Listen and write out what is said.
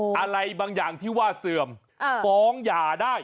อะไรบางอย่างที่ว่าเสื่อมฟ้องหย่าได้